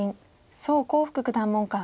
宋光復九段門下。